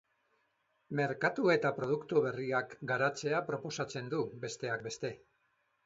Merkatu eta produktu berriak garatzea proposatzen du, besteak beste.